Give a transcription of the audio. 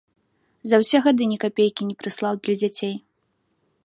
За ўсе гады ні капейкі не прыслаў для дзяцей.